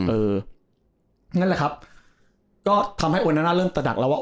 นั่นแหละครับก็ทำให้โอนาน่าเริ่มตระหนักแล้วว่า